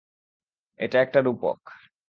এটা একটা রূপক।